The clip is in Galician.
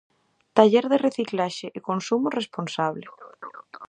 Taller de reciclaxe e consumo responsable.